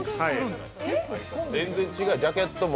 全然違う、ジャケットも。